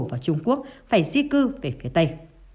và trung quốc phải di cư về phía tây